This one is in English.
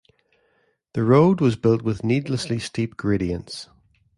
The road was built with needlessly steep gradients.